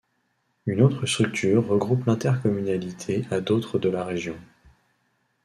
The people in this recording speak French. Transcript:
Une autre structure regroupe l'intercommunalité à d'autres de la région.